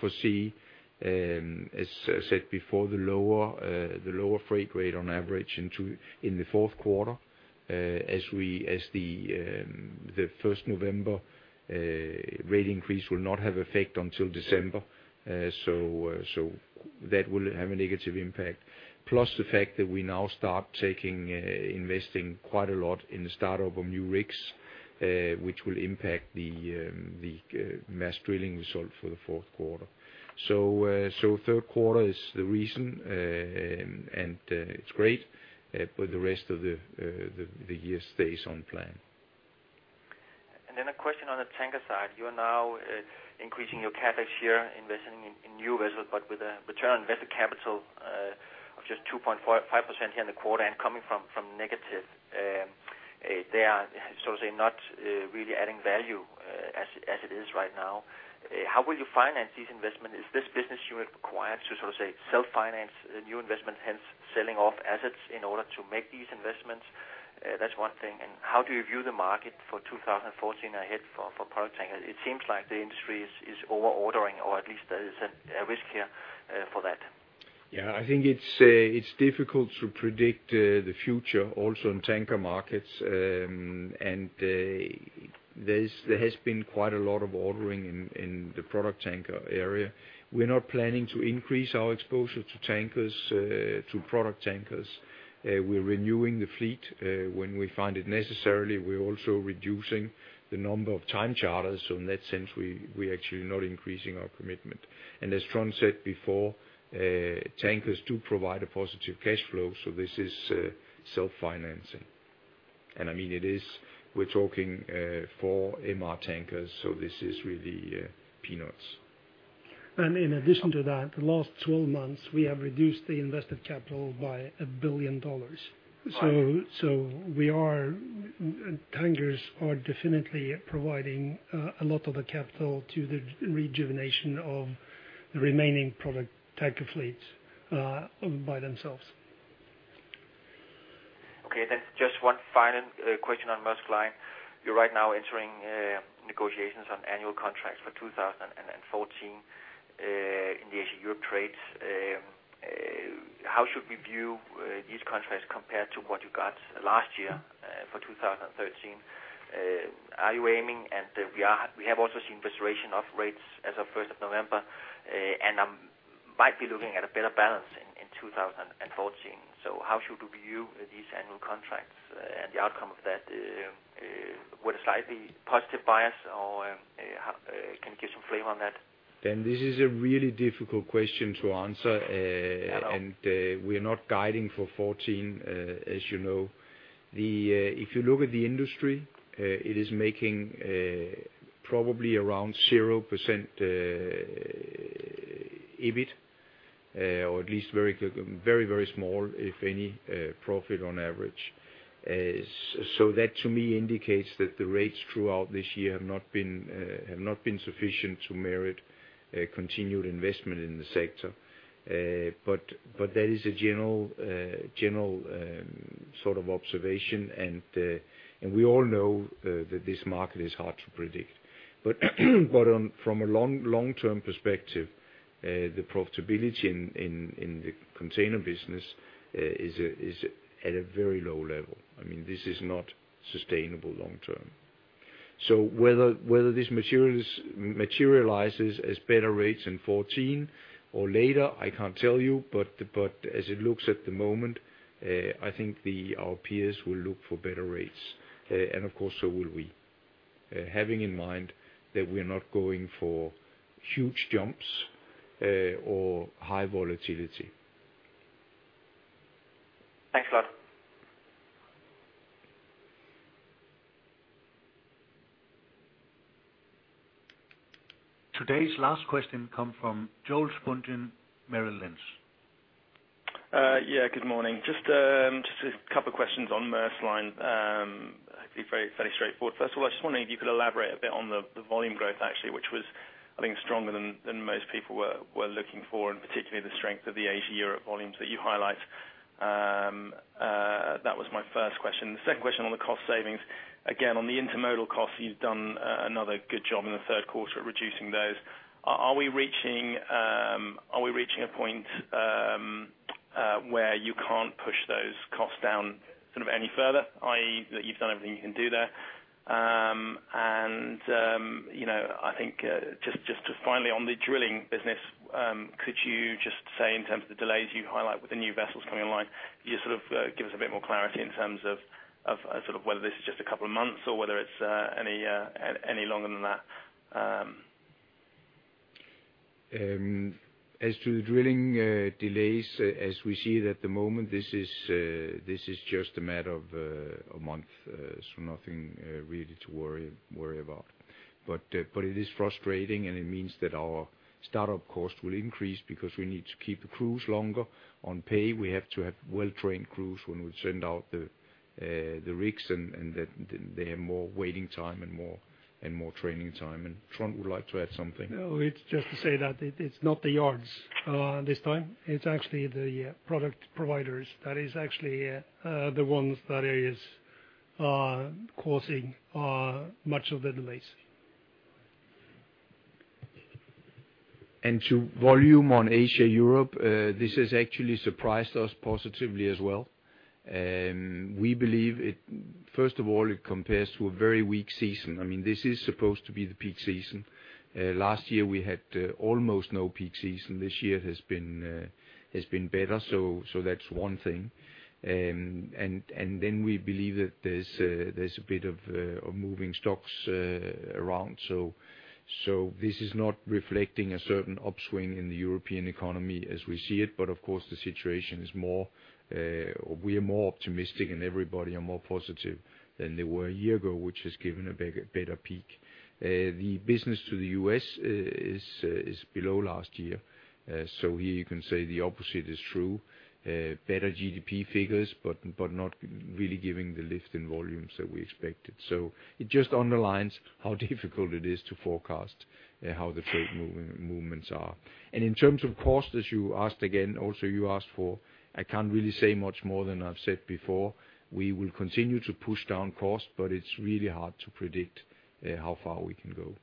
foresee, as I said before, the lower freight rate on average in the fourth quarter. As the first November rate increase will not have effect until December, that will have a negative impact. Plus the fact that we now start investing quite a lot in the start-up of new rigs, which will impact the Maersk Drilling result for the fourth quarter. Third quarter is the reason, and it's great, but the rest of the year stays on plan. A question on the tanker side. You are now increasing your CapEx year, investing in new vessels. With a return on invested capital of just 2.5% here in the quarter and coming from negative. They are, so to say, not really adding value as it is right now. How will you finance these investments? Is this business unit required to, so to say, self-finance the new investment, hence selling off assets in order to make these investments? That's one thing. How do you view the market for 2014 ahead for product tankers? It seems like the industry is over-ordering, or at least there is a risk here for that. Yeah. I think it's difficult to predict the future also in tanker markets. There has been quite a lot of ordering in the product tanker area. We're not planning to increase our exposure to tankers to product tankers. We're renewing the fleet. When we find it necessary, we're also reducing the number of time charters. In that sense, we're actually not increasing our commitment. As Trond said before, tankers do provide a positive cash flow, so this is self-financing. I mean, it is, we're talking 4 MR tankers, so this is really peanuts. In addition to that, the last 12 months, we have reduced the invested capital by $1 billion. Right. Tankers are definitely providing a lot of the capital to the rejuvenation of the remaining product tanker fleets by themselves. Okay. Just one final question on Maersk Line. You're right now entering negotiations on annual contracts for 2014 in the Asia-Europe trades. How should we view these contracts compared to what you got last year for 2013? We have also seen restoration of rates as of November 1. Might be looking at a better balance in 2014. How should we view these annual contracts and the outcome of that with a slightly positive bias, or how can you give some flavor on that? Dan, this is a really difficult question to answer. I know. We're not guiding for 2014, as you know. If you look at the industry, it is making probably around 0% EBIT. Or at least very low, very, very small, if any, profit on average. That to me indicates that the rates throughout this year have not been sufficient to merit continued investment in the sector. That is a general sort of observation. We all know that this market is hard to predict. From a long-term perspective, the profitability in the container business is at a very low level. I mean, this is not sustainable long term. Whether this materializes as better rates in 2014 or later, I can't tell you. As it looks at the moment, I think our peers will look for better rates. Of course, so will we. Having in mind that we're not going for huge jumps or high volatility. Thanks a lot. Today's last question comes from Joel Spungin, Merrill Lynch. Yeah, good morning. Just a couple questions on Maersk Line. Actually very straightforward. First of all, I was just wondering if you could elaborate a bit on the volume growth actually, which was I think stronger than most people were looking for, and particularly the strength of the Asia-Europe volumes that you highlight. That was my first question. The second question on the cost savings. Again, on the intermodal costs, you've done another good job in the third quarter reducing those. Are we reaching a point where you can't push those costs down sort of any further, i.e., that you've done everything you can do there. You know, I think just finally on the drilling business, could you just say in terms of the delays you highlight with the new vessels coming online, you sort of give us a bit more clarity in terms of sort of whether this is just a couple of months or whether it's any longer than that? As to the drilling delays, as we see it at the moment, this is just a matter of a month. So nothing really to worry about. But it is frustrating, and it means that our start-up cost will increase because we need to keep the crews longer on pay. We have to have well-trained crews when we send out the rigs, and then they have more waiting time and more training time. Trond would like to add something. No, it's just to say that it's not the yards, this time. It's actually the product providers. That is actually, the ones that is, causing, much of the delays. To volume on Asia-Europe, this has actually surprised us positively as well. We believe it first of all compares to a very weak season. I mean, this is supposed to be the peak season. Last year we had almost no peak season. This year has been better, so that's one thing. Then we believe that there's a bit of moving stocks around. This is not reflecting a certain upswing in the European economy as we see it, but of course, the situation is more, we are more optimistic and everybody are more positive than they were a year ago, which has given a better peak. The business to the U.S. is below last year. Here you can say the opposite is true. Better GDP figures, but not really giving the lift in volumes that we expected. It just underlines how difficult it is to forecast how the trade movements are. In terms of cost, as you asked again, also you asked for, I can't really say much more than I've said before. We will continue to push down cost, but it's really hard to predict how far we can go.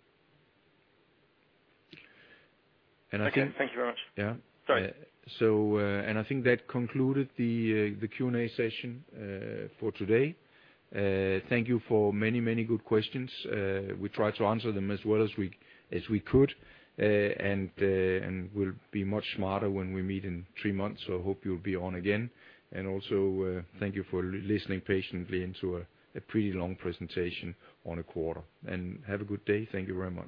I think. Okay, thank you very much. Yeah. Sorry. I think that concluded the Q&A session for today. Thank you for many good questions. We tried to answer them as well as we could. We'll be much smarter when we meet in three months, so hope you'll be on again. Thank you for listening patiently into a pretty long presentation on the quarter. Have a good day. Thank you very much.